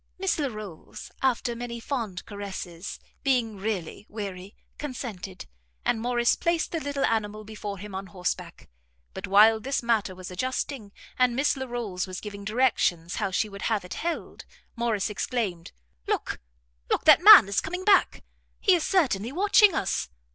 Miss Larolles, after many fond caresses, being really weary, consented, and Morrice placed the little animal before him on horseback; but while this matter was adjusting, and Miss Larolles was giving directions how she would have it held, Morrice exclaimed, "Look, look! that man is coming back! He is certainly watching us.